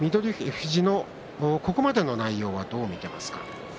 富士のここまでの内容はどう見ていますか？